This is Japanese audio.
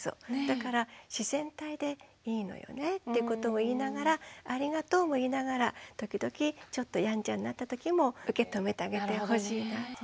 だから自然体でいいのよねってことも言いながらありがとうも言いながら時々ちょっとやんちゃになったときも受け止めてあげてほしいなって。